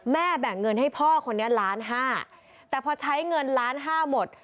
แบ่งเงินให้พ่อคนนี้ล้านห้าแต่พอใช้เงินล้านห้าหมด